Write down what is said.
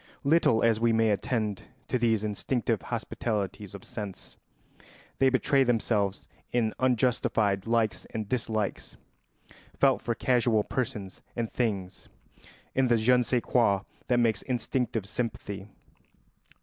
Little as we may attend to these instinctive hospitalities of sense, they betray themselves in unjustified likes and dislikes felt for casual persons and things, in the je ne sais quoi that makes instinctive sympathy.